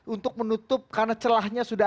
untuk menutup karena celahnya sudah